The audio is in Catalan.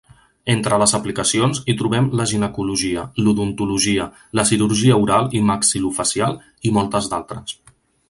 Entre les aplicacions hi trobem la ginecologia, l'odontologia, la cirurgia oral i maxil·lofacial i moltes d'altres.